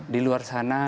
di luar sana